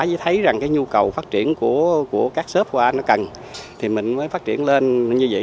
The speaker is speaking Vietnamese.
với thấy rằng cái nhu cầu phát triển của các lớp qua nó cần thì mình mới phát triển lên như vậy